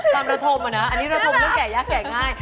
ระทมอะนะอันนี้ระทมเรื่องแก่ยากแก่ง่าย